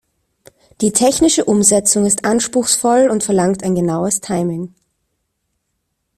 Die technische Umsetzung ist anspruchsvoll und verlangt ein genaues Timing.